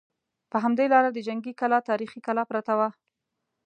په همدې لاره د جنګي کلا تاریخي کلا پرته وه.